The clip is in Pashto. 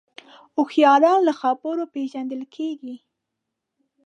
هوښیاران له خبرو پېژندل کېږي